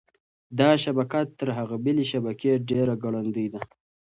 دا شبکه تر هغې بلې شبکې ډېره ګړندۍ ده.